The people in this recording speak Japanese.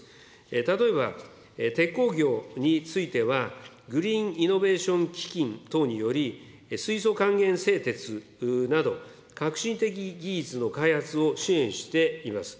例えば鉄鋼業については、グリーンイノベーション基金等により水素還元製鉄など革新的技術の開発を支援しています。